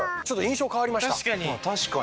確かに。